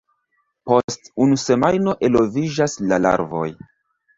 Post unu semajno eloviĝas la larvoj.